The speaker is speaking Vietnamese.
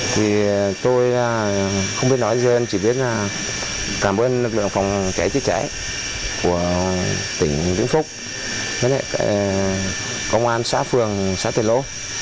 thì tôi không biết nói gì chỉ biết là cảm ơn lực lượng phòng cháy chứ cháy của tỉnh vĩnh phúc công an xã phường xã tuyệt lộ